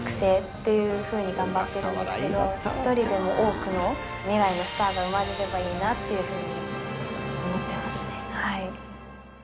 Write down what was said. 一人でも多くの未来のスターが生まれればいいなっていうふうに思ってますね。